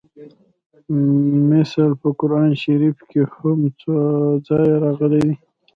مثل په قران شریف کې هم څو ځایه راغلی دی